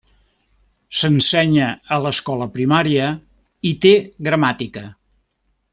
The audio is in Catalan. S'ensenya a l'escola primària i té gramàtica.